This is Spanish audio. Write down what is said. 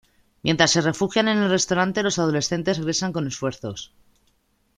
Mientras se refugian en el restaurante, las adolescentes regresan con refuerzos.